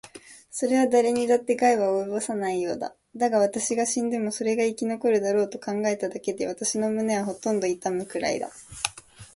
それはだれにだって害は及ぼさないようだ。だが、私が死んでもそれが生き残るだろうと考えただけで、私の胸はほとんど痛むくらいだ。